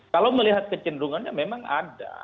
kalau melihat kecenderungannya memang ada